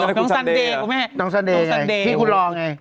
น้องซันเดย์น้องซันเดย์ไงที่คุณรอไง